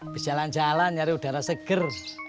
berjalan jalan nyari udara seger